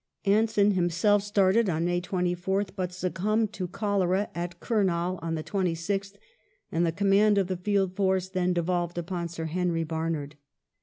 ^ Anson himself started on May 24th, but succumbed to cholera at Kurnal on the 26th, and the command of the field force then devolved upon Sir Henry Barnard.